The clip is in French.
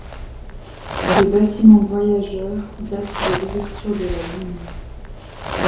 Le bâtiment voyageurs date de l'ouverture de la ligne.